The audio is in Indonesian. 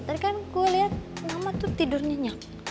tadi kan gue liat mama tuh tidurnya nyam